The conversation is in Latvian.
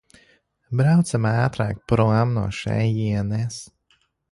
Braucam ātrāk prom no šejienes!